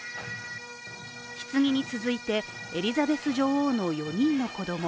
ひつぎに続いて、エリザベス女王の４人の子供